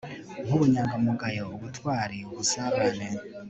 nk'ubunyangamugayo, ubutwari, ubusabane